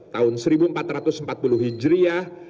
tahun seribu empat ratus empat puluh hijriah